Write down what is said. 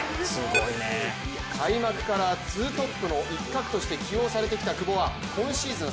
開幕からツートップの一角として起用されてきた久保は今シーズン